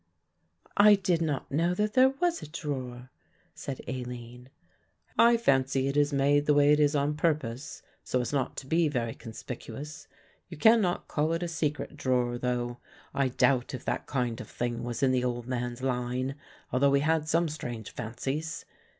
"I did not know that there was a drawer," said Aline. "I fancy it is made the way it is on purpose, so as not to be very conspicuous. You cannot call it a secret drawer though. I doubt if that kind of thing was in the old man's line, although he had some strange fancies.